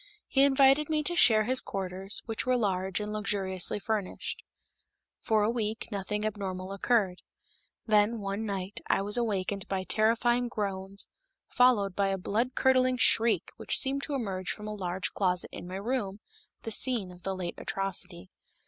He invited me to share his quarters, which were large and luxuriously furnished. For a week, nothing abnormal occurred. Then, one night, I was awakened by terrifying groans followed by a blood curdling shriek which seemed to emerge from a large closet in my room, the scene of the late atrocity.